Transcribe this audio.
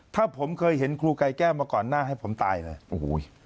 ถ้าผมเคยเห็นครูกายแก้วมาก่อนหน้าให้ผมตายเลยโอ้โห